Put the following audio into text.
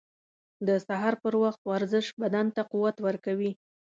• د سهار پر وخت ورزش بدن ته قوت ورکوي.